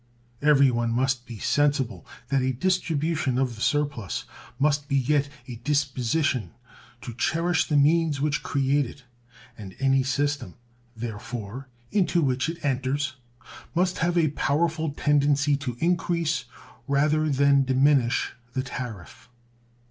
Everyone must be sensible that a distribution of the surplus must beget a disposition to cherish the means which create it, and any system, therefore, into which it enters must have a powerful tendency to increase rather than diminish the tariff.